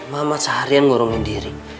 mama seharian ngurungin diri